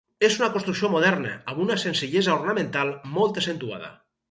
És una construcció moderna, amb una senzillesa ornamental molt accentuada.